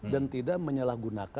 dan tidak menyalahgunakan